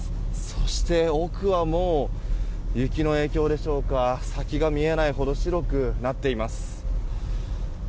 そして奥はもう雪の影響でしょうか先が見えないほど白くなっています。